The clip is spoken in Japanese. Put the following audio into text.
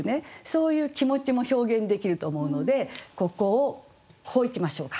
そういう気持ちも表現できると思うのでここをこういきましょうか。